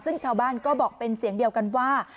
ซึ่งชาวบ้านก็บอกเป็นเสียงเดียวกันว่า